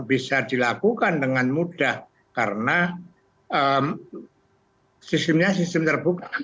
bisa dilakukan dengan mudah karena sistemnya sistem terbuka